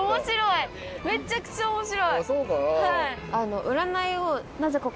めっちゃくちゃ面白い！